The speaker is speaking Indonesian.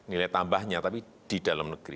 bukan di sana nilai tambahnya tapi di dalam negara